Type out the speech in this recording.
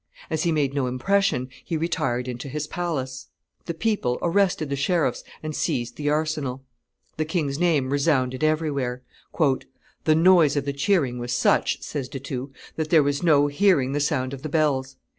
As he made no impression, he retired into his palace. The people arrested the sheriffs and seized the arsenal. The king's name resounded everywhere. "The noise of the cheering was such," says De Thou, "that there was no hearing the sound of the bells.